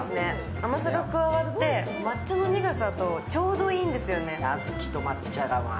甘さが加わって、抹茶の苦さとちょうどいいんですよね。